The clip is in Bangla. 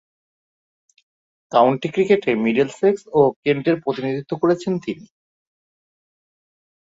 কাউন্টি ক্রিকেটে মিডলসেক্স ও কেন্টের প্রতিনিধিত্ব করেছেন তিনি।